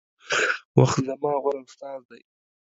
وخت زما غوره استاذ دے